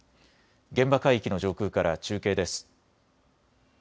現場海域の上空から中継です。